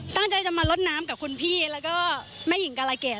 ตั้งใจจะมาลดน้ำกับคุณพี่แล้วก็แม่หญิงกาลาเกด